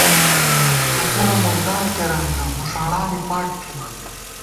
قچرَہ مردار کېران گہ ، مُݭاڑانی پاٹ تھِمان